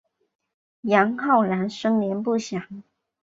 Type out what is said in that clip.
杨浩然生年不详。